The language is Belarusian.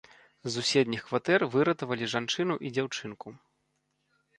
З суседніх кватэр выратавалі жанчыну і дзяўчынку.